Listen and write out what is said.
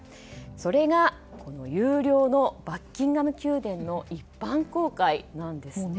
それが有料のバッキンガム宮殿の一般公開なんですね。